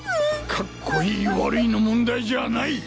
カッコいい悪いの問題じゃない！